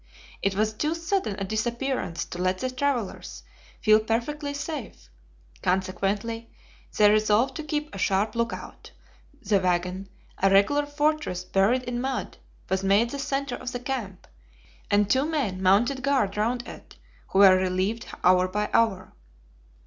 It was too sudden a disappearance to let the travelers feel perfectly safe; consequently they resolved to keep a sharp lookout. The wagon, a regular fortress buried in mud, was made the center of the camp, and two men mounted guard round it, who were relieved hour by hour.